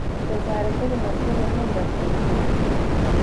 د زیارتونو نذرونه هم ورکول کېږي.